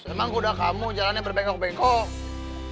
emang udah kamu jalannya berbengkok bengkok